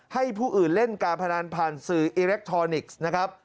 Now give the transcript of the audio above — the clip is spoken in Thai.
ให้ผู้อื่นเล่นการพนันผ่านสื่ออิเล็กทรอนิกส์นะครับ